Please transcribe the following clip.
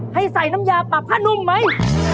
ให้ใส่น้ำยาปรับผ้านุ่มไหม